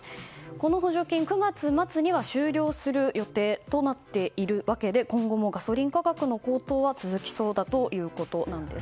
この補助金、９月末には終了する予定となっているわけで今後もガソリン価格の高騰は続きそうだということです。